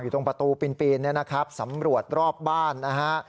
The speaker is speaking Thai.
ตรงประตูปีนเนี่ยนะครับสำรวจรอบบ้านนะฮะ